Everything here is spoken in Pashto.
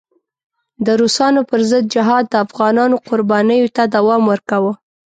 د روسانو پر ضد جهاد د افغانانو قربانیو ته دوام ورکاوه.